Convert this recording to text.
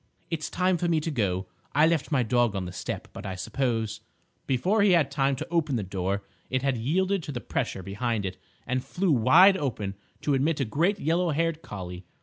"It's time for me to go. I left my dog on the step, but I suppose—" Before he had time to open the door, it had yielded to the pressure behind it and flew wide open to admit a great yellow haired collie.